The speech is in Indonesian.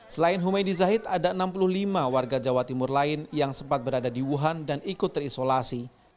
selain humaydi zahid ada enam puluh lima warga jawa timur lain yang sempat berada di wuhan dan ikut terisolasi